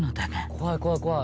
怖い怖い怖い。